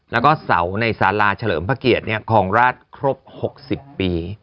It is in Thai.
แล้วก็เสาในสาราเฉลิมพระเกียรติคลองราชครบ๖๐ปี